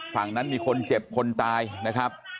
ฝั่งนั้นมีคนเจ็บคนตายนะครับ